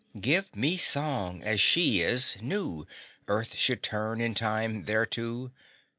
Give me song, as She is, new, Earth should turn in time thereto!